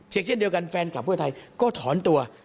เช่นเดียวกันแฟนคลับเพื่อไทยก็ถอนตัว